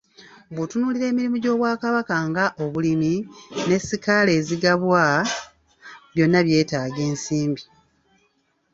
Bw'otunuulira emirimu gy'Obwakabaka nga obulimi ne ssikaala ezigabwa, byonna byetaaga ensimbi.